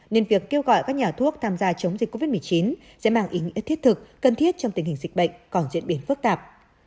nên việc kêu gọi các nhà thuốc tham gia chống dịch covid một mươi chín sẽ mang ý nghĩa thiết thực cần thiết trong tình hình dịch bệnh còn diễn biến phức tạp